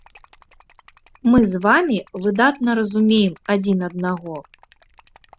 Мы з вамі выдатна разумеем адзін аднаго.